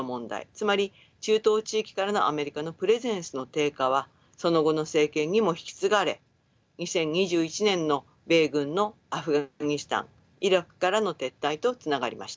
つまり中東地域からのアメリカのプレゼンスの低下はその後の政権にも引き継がれ２０２１年の米軍のアフガニスタンイラクからの撤退とつながりました。